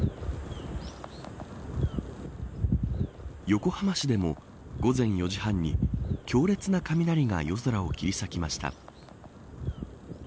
横浜市でも午前４時半に強烈な雷が夜空を切り裂きました。